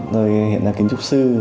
rồi hiện là kiến trúc sư